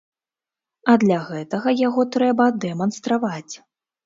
А для гэтага яго трэба дэманстраваць.